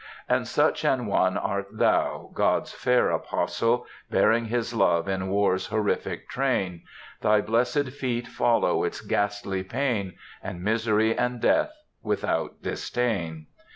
"And such an one art thou,—God's fair apostle, Bearing his love in war's horrific train; Thy blessed feet follow its ghastly pain, And misery, and death, without disdain.